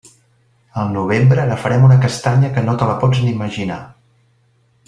Al novembre agafarem una castanya que no te la pots ni imaginar.